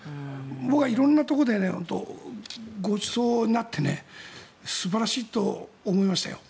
僕は色んなところでごちそうになって素晴らしいと思いましたよ。